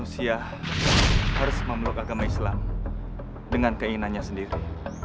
manusia harus memeluk agama islam dengan keinginannya sendiri